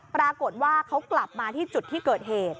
ปรากฏว่าเขากลับมาที่จุดที่เกิดเหตุ